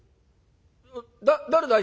だ誰だい？